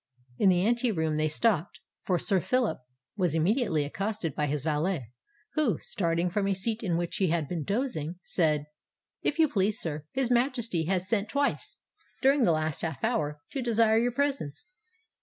In that ante room they stopped; for Sir Phillip was immediately accosted by his valet, who, starting from a seat in which he had been dozing, said, "If you please, sir, his Majesty has sent twice, during the last half hour, to desire your presence."